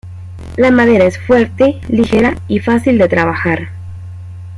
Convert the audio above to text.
La madera es fuerte, ligera y fácil de trabajar.